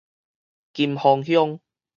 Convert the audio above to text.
金峰鄉